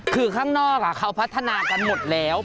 คือข้างนอกเขาพัฒนากันหมดแล้ว